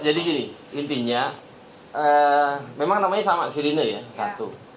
jadi gini intinya memang namanya sama sirine ya satu